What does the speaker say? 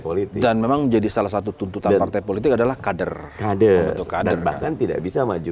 politik dan memang menjadi salah satu tuntutan partai politik adalah kader kader bahkan tidak bisa maju